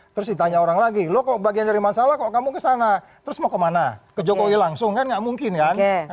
terus ditanya orang lagi lo kok bagian dari masalah kok kamu kesana terus mau kemana ke jokowi langsung kan gak mungkin kan